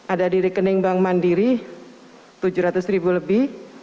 ada di rekening bank mandiri rp tujuh ratus lebih